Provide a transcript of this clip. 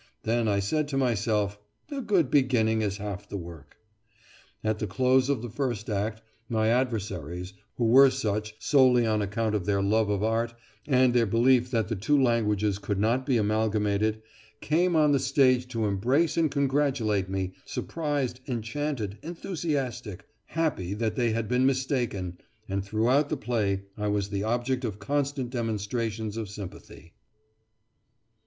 Then I said to myself, "A good beginning is half the work." At the close of the first act, my adversaries, who were such solely on account of their love of art, and their belief that the two languages could not be amalgamated, came on the stage to embrace and congratulate me, surprised, enchanted, enthusiastic, happy, that they had been mistaken, and throughout the play I was the object of constant demonstrations of sympathy.